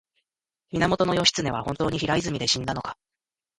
源義経は本当に平泉で死んだのか